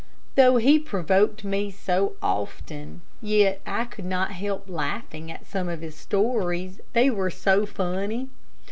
Though he provoked me so often, yet I could not help laughing at some of his stories, they were so funny.